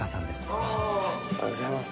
おはようございます。